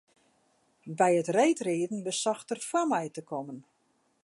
By it reedriden besocht er foar my te kommen.